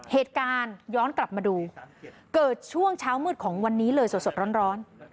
เหตุการณ์ย้อนกลับมาดูเกิดช่วงเช้ามืดของวันนี้เลยสดร้อน